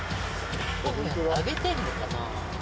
揚げてんのかな？